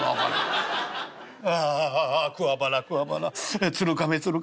「ああくわばらくわばら鶴亀鶴亀。